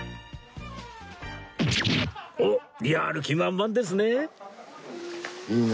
おっやる気満々ですね！